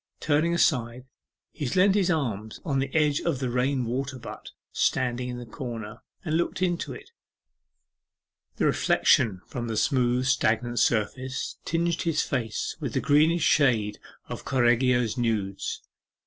Turning aside, he leant his arms upon the edge of the rain water butt standing in the corner, and looked into it. The reflection from the smooth stagnant surface tinged his face with the greenish shades of Correggio's nudes.